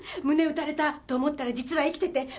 「胸撃たれた」と思ったら実は生きてて。